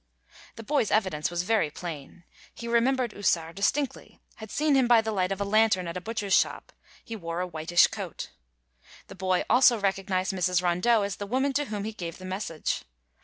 The boy's evidence was very plain. He remembered Houssart distinctly, had seen him by the light of a lantern at a butcher's shop; he wore a whitish coat. The boy also recognized Mrs. Rondeau as the woman to whom he gave the message.